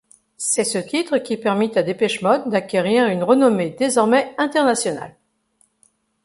C'est ce titre qui permit à Depeche Mode d'acquérir une renommée désormais internationale.